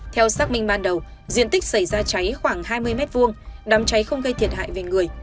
theo xác minh ban đầu diện tích xảy ra cháy khoảng hai mươi m hai đám cháy không gây thiệt hại về người